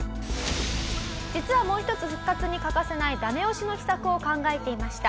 実はもう一つ復活に欠かせないダメ押しの秘策を考えていました。